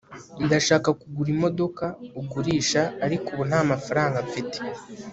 Ndashaka kugura imodoka ugurisha ariko ubu ntamafaranga mfite